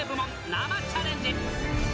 生チャレンジ。